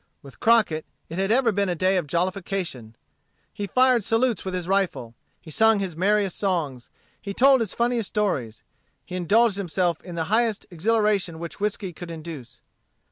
With Crockett it had ever been a day of jollification. He fired salutes with his rifle. He sung his merriest songs. He told his funniest stories. He indulged himself in the highest exhilaration which whiskey could induce.